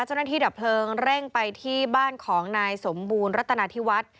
เจ้าหน้าที่ดับเพลิงเร่งไปที่บ้านของนายสมบูรณ์รัฐนาธิวัฒน์